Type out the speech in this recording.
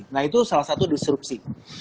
nah itu salah satu disrupsi